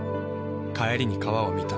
帰りに川を見た。